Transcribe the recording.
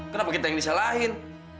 kenapa kita yang disalahin